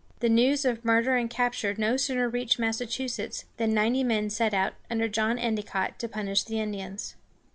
The news of murder and capture no sooner reached Massachusetts, than ninety men set out, under John Endicott, to punish the Indians.